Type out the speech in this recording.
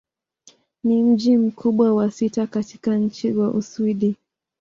Ni mji mkubwa wa sita katika nchi wa Uswidi.